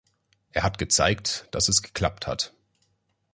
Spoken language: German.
Er hat gezeigt, dass es geklappt hat.